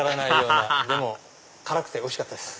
ハハハハ辛くておいしかったです。